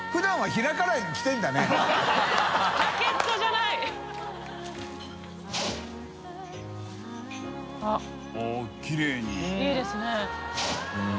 いいですね。